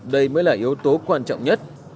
đây mới là yếu tố quan trọng nhất